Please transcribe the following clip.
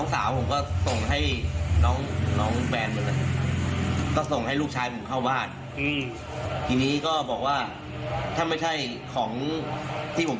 ถ่ายคลิปไว้เลยก่อนแก่แล้วถ่ายคลิป